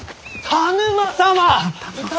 田沼様。